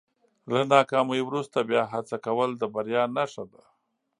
له ناکامۍ وروسته بیا هڅه کول د بریا نښه ده.